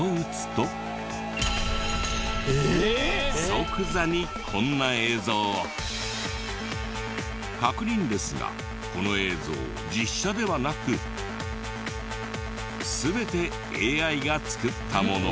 即座にこんな映像を。確認ですがこの映像実写ではなく全てＡＩが作ったもの。